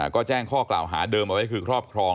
ก็แจ้งข้อกล่าวหาเดิมเอาไว้คือครอบครอง